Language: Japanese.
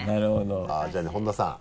あぁじゃあね本田さん。